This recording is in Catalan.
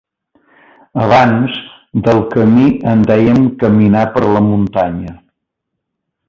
Abans del camí en dèiem caminar per la muntanya.